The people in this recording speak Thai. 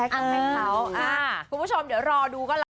คุณผู้ชมเดี๋ยวรอดูก็ละ